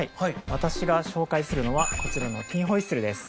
私が紹介するのはこちらのティン・ホイッスルです。